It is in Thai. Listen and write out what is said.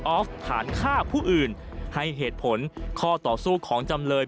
อฟฐานฆ่าผู้อื่นให้เหตุผลข้อต่อสู้ของจำเลย